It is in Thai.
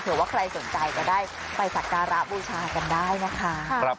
ว่าใครสนใจจะได้ไปสักการะบูชากันได้นะคะ